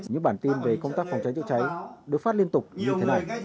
những bản tin về công tác phòng cháy chữa cháy được phát liên tục như thế này